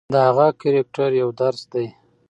د هغه کرکټر یو درس دی.